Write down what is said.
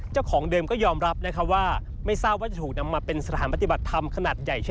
เจ้าของเดิมก็ยอมรับนะคะว่าไม่ทราบว่าจะถูกนำมาเป็นสถานปฏิบัติธรรมขนาดใหญ่